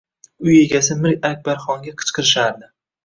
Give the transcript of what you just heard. Uy egasi Mir Akbarxonga qichqirishardi.